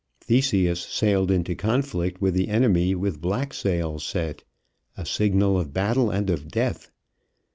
Theseus sailed into conflict with the enemy with black sails set, a signal of battle and of death.